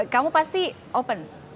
kamu pasti open